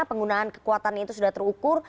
penggunaan kekuatannya itu sudah terukur